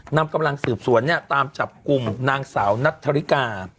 นำกำลังสืบสวนเนี่ยตามจับกลุ่มนางสาวนัทธริกา